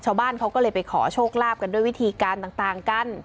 ชาวบ้านเขาก็เลยไปขอโชคลาภกันด้วยวิธีการต่างกัน